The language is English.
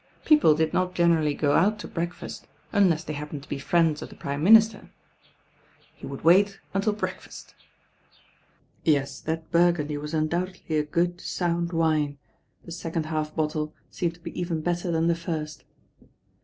People d.d not generally go out to break Ust uni„, they happened to be friends of the Prime Master He would wait until breakfast. res, that burgundy was undoubtedly a irood «.und wme, the second half bottle seemed to be even better than the first.